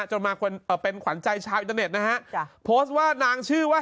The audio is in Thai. จนมาเป็นขวัญใจชาวอินเตอร์เน็ตนะฮะจ้ะโพสต์ว่านางชื่อว่า